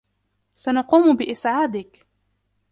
سنقوم باسعادك.